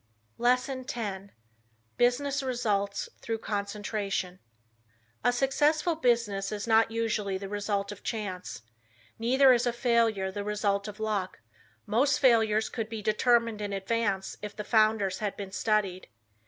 LESSON X. BUSINESS RESULTS THROUGH CONCENTRATION A successful business is not usually the result of chance. Neither is a failure the result of luck. Most failures could be determined in advance if the founders had been studied.